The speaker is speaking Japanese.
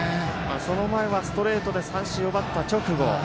その前はストレートで三振を奪った直後。